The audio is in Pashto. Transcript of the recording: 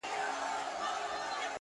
• د جانان چي په کوم لاره تله راتله وي,